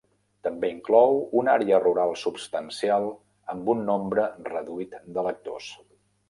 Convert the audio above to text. També inclou una àrea rural substancial amb un nombre reduït d'electors.